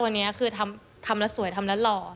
ตัวนี้คือทำละสวยทำละหล่อ